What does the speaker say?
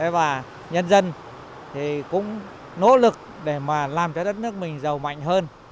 và nhân dân cũng nỗ lực để mà làm cho đất nước mình giàu mạnh hơn